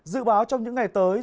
dự báo trong những ngày tới